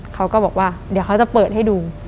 เขาก็บอกว่าเดี๋ยวเขาจะเปิดให้ดู